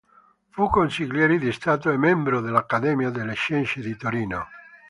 Fu Consigliere di Stato e membro dell'Accademia delle Scienze di Torino.